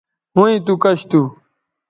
ھویں تو کش تھو